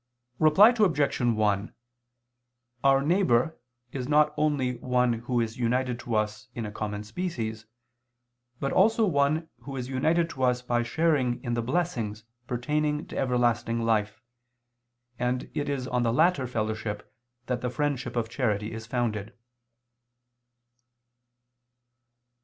Reply Obj. 1: Our neighbor is not only one who is united to us in a common species, but also one who is united to us by sharing in the blessings pertaining to everlasting life, and it is on the latter fellowship that the friendship of charity is founded.